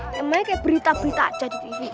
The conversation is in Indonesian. percaya berita berita aja